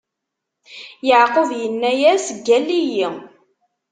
Yeɛqub inna-as: Gall-iyi!